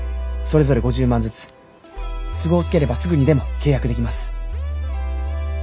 それぞれ５０万ずつ都合つければすぐにでも契約できます。